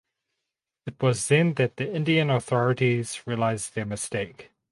It was then that the Indian authorities realised their mistake.